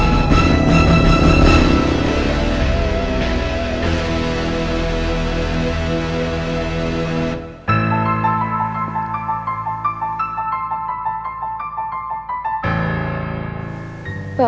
ulan pergi sama siapa